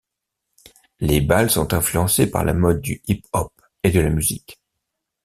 Les bals sont influencés par la mode du hip hop et de la musique.